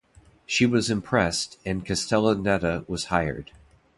She was impressed and Castellaneta was hired.